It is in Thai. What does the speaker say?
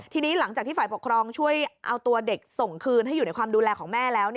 ทีนี้หลังจากที่ฝ่ายปกครองช่วยเอาตัวเด็กส่งคืนให้อยู่ในความดูแลของแม่แล้ว